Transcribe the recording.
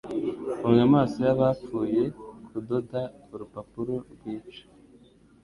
Funga amaso y'abapfuye kudoda urupapuro rwica